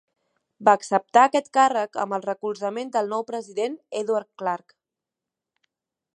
Va acceptar aquest càrrec amb el recolzament del nou president, Edward Clark.